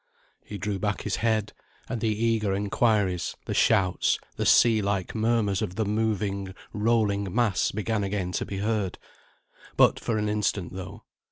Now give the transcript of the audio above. He drew back his head; and the eager inquiries, the shouts, the sea like murmurs of the moving rolling mass began again to be heard but for an instant though.